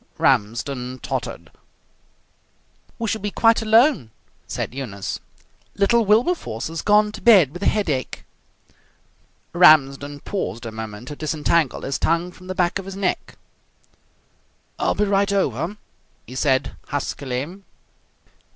Ramsden tottered. "We shall be quite alone," said Eunice. "Little Wilberforce has gone to bed with a headache." Ramsden paused a moment to disentangle his tongue from the back of his neck. "I'll be right over!" he said huskily.